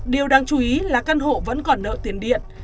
điều đáng chú ý là căn hộ vẫn còn nợ tiền điện